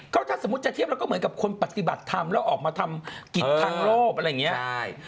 ก็ถ้าสมมุติจะเทียบแล้วก็เหมือนกับคนปฏิบัติธรรมแล้วออกมาทำกิจทางโลภอะไรอย่างนี้